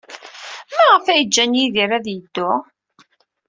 Maɣef ay ǧǧan Yidir ad yeddu?